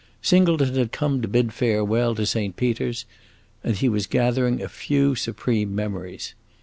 Singleton had come to bid farewell to Saint Peter's, and he was gathering a few supreme memories.